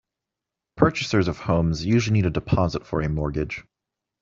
Purchasers of homes usually need a deposit for a mortgage.